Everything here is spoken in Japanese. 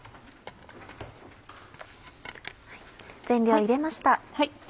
全量入れました。